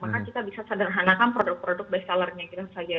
maka kita bisa sederhanakan produk produk bestsellernya kita saja